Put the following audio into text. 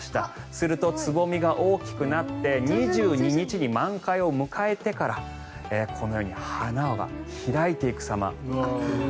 すると、つぼみが大きくなって２２日に満開を迎えてからこのように花が開いていく様。